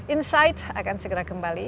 insight akan segera kembali